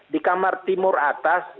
di kamar timur atas